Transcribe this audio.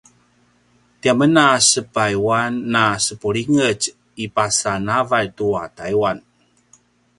tiamen a sepayuan na sepulingetj i pasa navalj tua taiwan